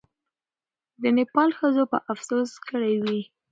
د نېپال ښځو به افسوس کړی وي.